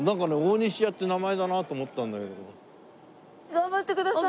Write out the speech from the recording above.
頑張ってください。